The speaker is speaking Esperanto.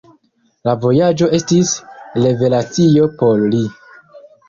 La vojaĝo estis revelacio por li.